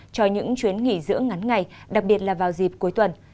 cho những chuyến nghỉ dưỡng ngắn ngày đặc biệt là vào dịp cuối tuần